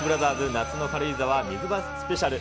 夏の軽井沢水場スペシャル。